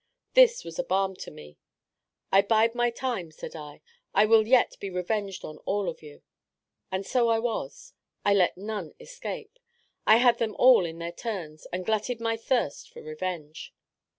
This was a balm to me. "I bide my time," said I; "I will yet be revenged on all of you;" and so I was. I let none escape: I had them all in their turns, and glutted my thirst for revenge.